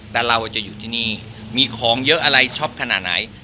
แต่เราจะอยู่ที่นี่มีของเยอะอะไรช็อปขนาดไหน